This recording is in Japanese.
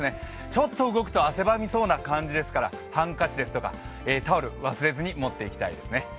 ちょっと動くと汗ばみそうな感じですからハンカチですとか、タオル、忘れずに持っていきたいですね。